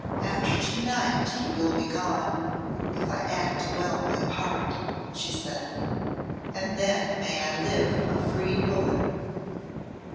"After to night he will be gone, if I act well my part," she said, "and then may I live a freed woman."